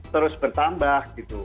terus bertambah gitu